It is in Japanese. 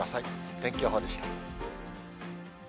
天気予報でした。